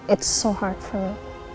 itu sangat sukar untuk aku